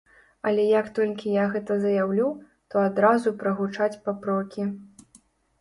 Але як толькі я гэта заяўлю, то адразу прагучаць папрокі.